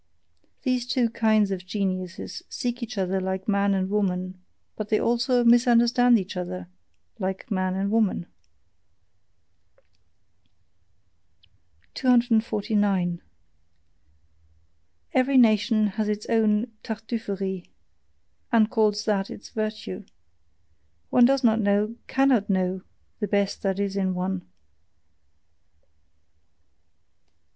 These two kinds of geniuses seek each other like man and woman; but they also misunderstand each other like man and woman. 249. Every nation has its own "Tartuffery," and calls that its virtue. One does not know cannot know, the best that is in one.